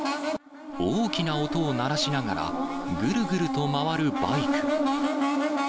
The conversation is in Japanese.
大きな音を鳴らしながら、ぐるぐると回るバイク。